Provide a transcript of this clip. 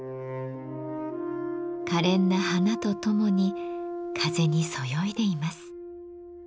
かれんな花とともに風にそよいでいます。